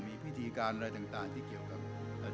มีพิธีการอะไรต่างที่เกี่ยวกับ